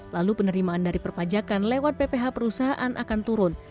lalu penerimaan dari perpajakan lewat pph perusahaan akan turun